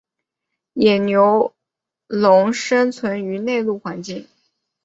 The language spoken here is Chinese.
野牛龙生存于内陆环境。